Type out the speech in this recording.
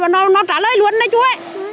nó trả lời luôn đấy chú ạ